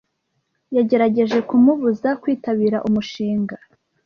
Yagerageje kumubuza kwitabira umushinga.